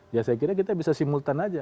ya saya kira kita bisa simultan aja